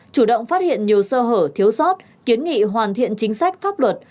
chủ động phát hiện nhiều sơ hở thiếu sót kiến nghị hoàn thiện chính sách pháp luật